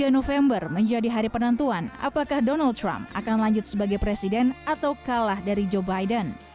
dua puluh november menjadi hari penentuan apakah donald trump akan lanjut sebagai presiden atau kalah dari joe biden